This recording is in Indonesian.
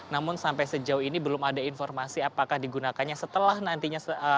namun sampai sejauh ini belum ada informasi apakah digunakannya setelah nantinya hari ini diresmikan